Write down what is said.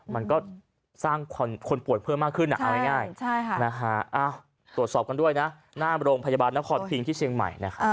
มันก็สร้างคนปวดเพิ่มมากขึ้นนะเอาง่าย